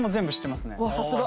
さすが。